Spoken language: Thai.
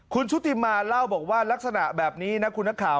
คุณชุติมาเล่าบอกว่าลักษณะแบบนี้นะคุณนักข่าว